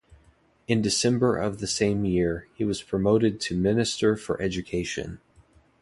In December of the same year, he was promoted to Minister for Education.